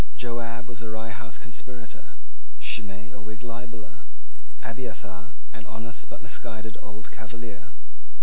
Joab was a Rye House conspirator; Shimei, a Whig libeller; Abiathar, an honest but misguided old Cavalier.